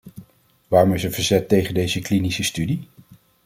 Waarom is er verzet tegen deze klinische studie?